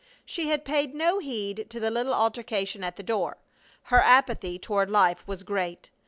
She had paid no heed to the little altercation at the door. Her apathy toward life was great.